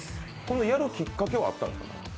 やるきっかけはあったんですか？